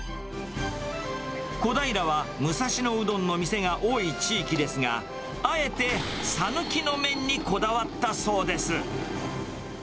小平は武蔵野うどんの店が多い地域ですが、あえてさぬきの麺にこだわったそうです。